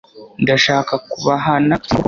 ndashaka kubahana amaboko